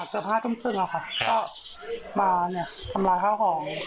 สำหรับห้าทุ่มครึ่งอะค่ะค่ะมาเนี้ยทำลายข้าวของ